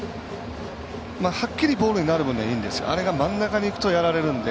はっきりボールになる分にはいいんですけどあれが真ん中にいくとやられるんで。